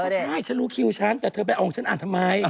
ใช่ฉันรู้คิวฉันแต่เธอไปออกฉันอ่านทำไม